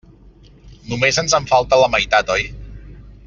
Només ens en falta la meitat, oi?